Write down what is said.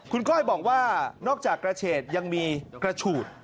คุณก้อยบอกว่านอกจากกระเฉดยังมีกระฉูด